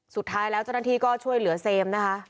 สุดท้ายแล้วเจ้าหน้าที่ก็ช่วยเหลือเซมนะคะ